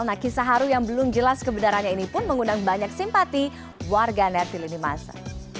nah kisah haru yang belum jelas kebenarannya ini pun menggunakan banyak simpati warga netil ini masa